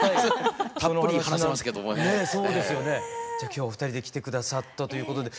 今日お二人で来てくださったということで。